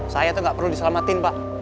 saya tuh enggak perlu diselamatin pak